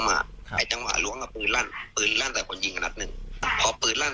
มันยืนซ้ำไหยเลยพี่ยิงเส้นกลางไปกับเลือดเย็นเลย